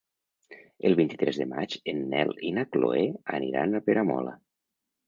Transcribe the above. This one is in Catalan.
El vint-i-tres de maig en Nel i na Chloé aniran a Peramola.